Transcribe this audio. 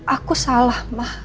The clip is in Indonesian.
aku salah ma